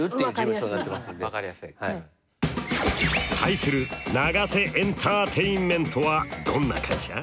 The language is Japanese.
対するＮＡＧＡＳＥエンターテインメントはどんな会社？